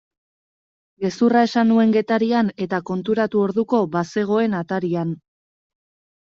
Gezurra esan nuen Getarian eta konturatu orduko bazegoen atarian.